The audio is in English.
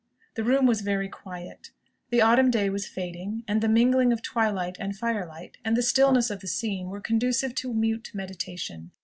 The room was very quiet. The autumn day was fading, and the mingling of twilight and firelight, and the stillness of the scene, were conducive to mute meditation.